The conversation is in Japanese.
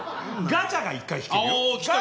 ガチャが１回引けるよ。